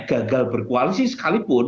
gagal berkoalisi sekalipun